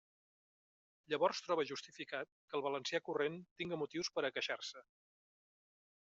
Llavors trobe justificat que el valencià corrent tinga motius per a queixar-se.